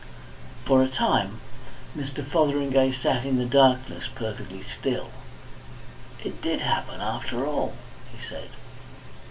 For a time Mr. Fotheringay sat in the darkness, perfectly still. "It did happen, after all," he said.